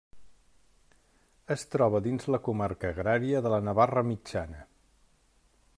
Es troba dins la comarca agrària de la Navarra Mitjana.